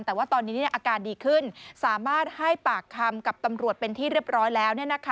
แต่ว่าตอนนี้อาการดีขึ้นสามารถให้ปากคำกับตำรวจเป็นที่เรียบร้อยแล้ว